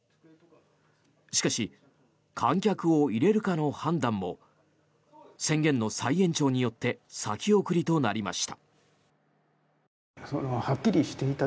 しかし、観客を入れるかの判断も宣言の再延長によって先送りとなりました。